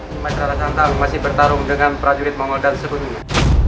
nimas rara santang masih bertarung dengan prajurit mongol dan sebenarnya